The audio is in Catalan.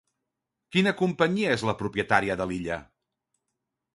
Quina companyia és la propietària de l'illa?